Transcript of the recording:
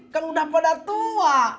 kan udah pada tua